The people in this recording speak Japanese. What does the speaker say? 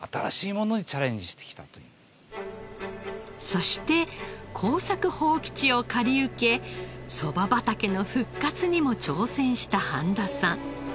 そして耕作放棄地を借り受けそば畑の復活にも挑戦した半田さん。